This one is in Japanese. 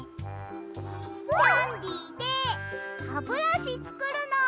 キャンディーでハブラシつくるの！